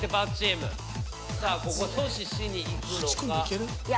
さあここ阻止しにいくのか？